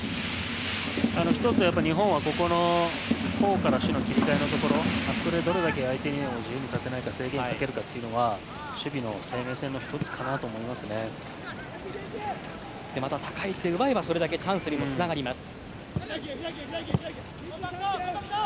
１つ、日本は攻から守の切り替えのところでどれだけ相手を自由にさせないか整備するかというのは守備の生命線の１つかなとまた高い位置で奪えばそれだけチャンスにもつながります。